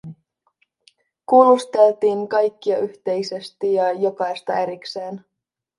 Kuulusteltiin kaikkia yhteisesti ja jokaista erikseen.